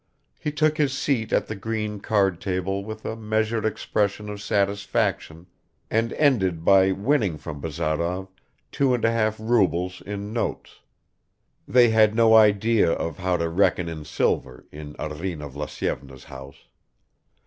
He took his seat at the green card table with a measured expression of satisfaction, and ended by winning from Bazarov two and a half rubles in notes (they had no idea of how to reckon in silver in Arina Vlasyevna's house).